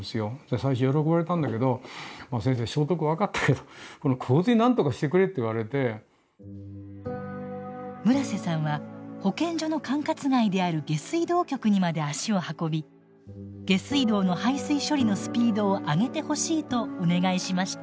最初喜ばれたんだけど消毒分かったけど村瀬さんは保健所の管轄外である下水道局にまで足を運び下水道の排水処理のスピードを上げてほしいとお願いしました。